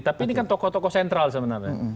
tapi ini kan tokoh tokoh sentral sebenarnya